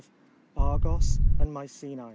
ARGOS AND MYCKN.K.